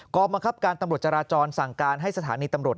บังคับการตำรวจจราจรสั่งการให้สถานีตำรวจ